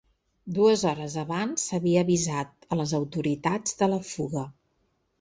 Dues hores abans s’havia avisat a les autoritats de la fuga.